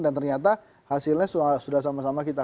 dan ternyata hasilnya sudah sama sama kita tahu